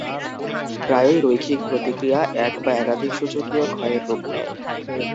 প্রায়ই রৈখিক প্রতিক্রিয়া এক বা একাধিক সূচকীয় ক্ষয়ের রূপ নেয়।